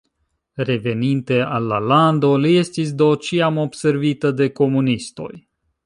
Reveninte al la lando li estis do ĉiam observita de komunistoj.